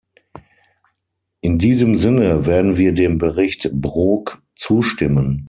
In diesem Sinne werden wir dem Bericht Brok zustimmen.